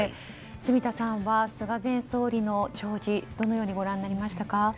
住田さんは菅前総理の弔辞どのようにご覧になりましたか。